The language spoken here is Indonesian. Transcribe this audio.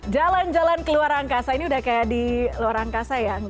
jalan jalan ke luar angkasa ini udah kayak di luar angkasa ya